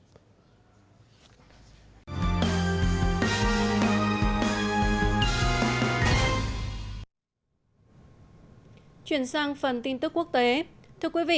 nguyễn văn ánh tham gia đánh trả nhóm nguyễn hữu nghĩa nhân viên công ty dịch vụ bảo vệ đông á bị chém gây thương tích và nhập viện